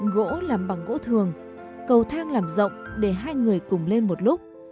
gỗ làm bằng gỗ thường cầu thang làm rộng để hai người cùng lên một lúc